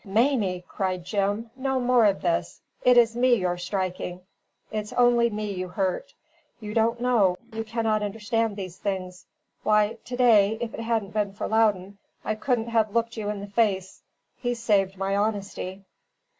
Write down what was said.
"Mamie," cried Jim, "no more of this! It's me you're striking; it's only me you hurt. You don't know, you cannot understand these things. Why, to day, if it hadn't been for Loudon, I couldn't have looked you in the face. He saved my honesty."